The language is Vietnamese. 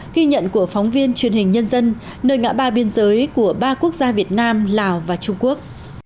ghi nhận của phóng viên truyền hình nhân dân nơi ngã ba biên giới của ba quốc gia việt nam lào và trung quốc